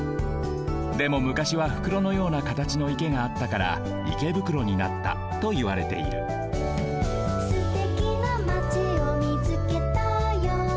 でもむかしは袋のようなかたちの池があったから池袋になったといわれている「すてきなまちをみつけたよ」